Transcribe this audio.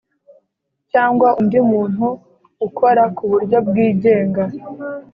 cyangwa undi muntu ukora ku buryo bwigenga